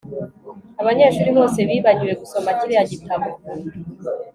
Abanyeshuri bose bibagiwe gusoma kiriya gitabo